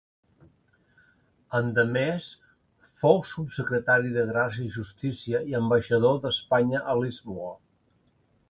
Endemés fou subsecretari de Gràcia i Justícia i ambaixador d'Espanya a Lisboa.